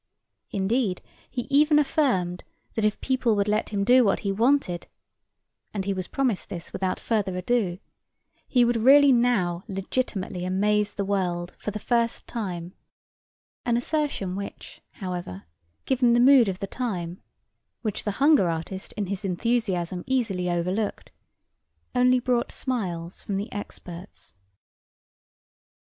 Indeed, he even affirmed that if people would let him do what he wanted—and he was promised this without further ado—he would really now legitimately amaze the world for the first time, an assertion which, however, given the mood of the time, which the hunger artist in his enthusiasm easily overlooked, only brought smiles from the experts.